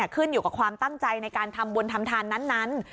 ขึ้นอยู่กับความตั้งใจในการทำบุญทำทานนั้น